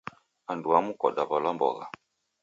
Anduamu kudaw'alwa mbogha.